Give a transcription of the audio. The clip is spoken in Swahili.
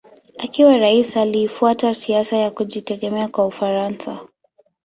Akiwa rais alifuata siasa ya kujitegemea kwa Ufaransa.